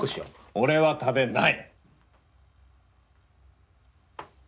俺は食べない！